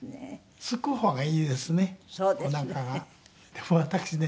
でも私ね